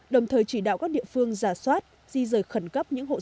đồng thời chỉ đạo các địa phương giả soát di rời khẩn cấp những hộ dân